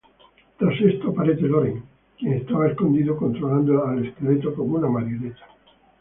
Tras esto aparece Loren, quien estaba escondido controlando al esqueleto como una marioneta.